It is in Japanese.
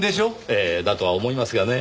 ええだとは思いますがね